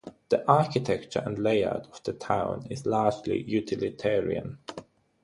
The architecture and layout of the town is largely utilitarian.